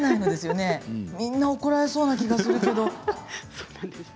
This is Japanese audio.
みんな怒られそうな気がするけど。